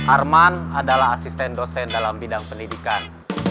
arman adalah asisten dosen dalam bidang pendidikan